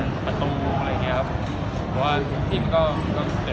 เราก็มึงอย่างเทียบอะไรก็ดับเอรืออะไรก็ต่างงี้